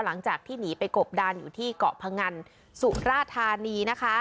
หลังจากที่หนีไปกบดานอยู่ที่เกาะพงันสุราธานีนะคะ